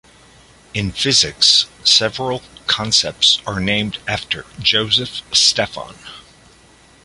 In physics, several concepts are named after Joseph Stefan.